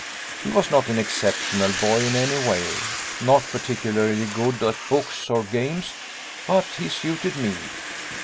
He was not an exceptional boy in any way not particularly good at books or games but he suited me.